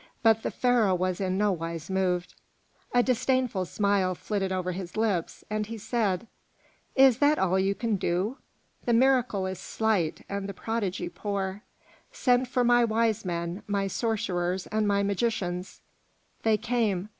But the Pharaoh was in no wise moved. A disdainful smile flitted over his lips, and he said, "Is that all you can do? The miracle is slight, and the prodigy poor. Send for my wise men, my sorcerers and my magicians." They came.